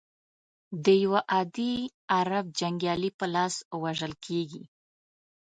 د یوه عادي عرب جنګیالي په لاس وژل کیږي.